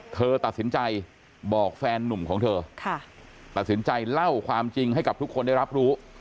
เธอตัดสินใจบอกแฟนนุ่มของเธอตัดสินใจเล่าความจริงให้กับทุกคนได้รับรู้